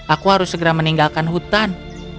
aku harus segera meninggalkan hutan